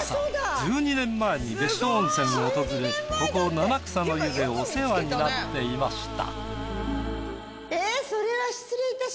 １２年前に別所温泉を訪れここ七草の湯でお世話になっていました。